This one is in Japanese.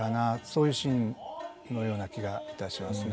そういうシーンのような気がいたしますね。